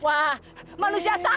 kita harus ke rumah